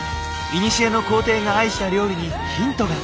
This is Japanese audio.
古の皇帝が愛した料理にヒントが！